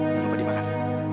jangan lupa dimakan